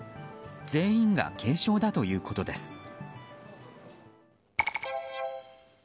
全員が軽傷だということです。